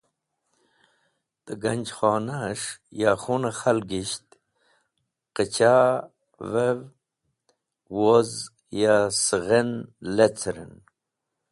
Ta ganjkhonahes̃h ya khung-e khalgisht qicha’vev woz ya sighen leceren.